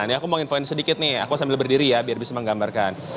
ini aku mau infoin sedikit nih aku sambil berdiri ya biar bisa menggambarkan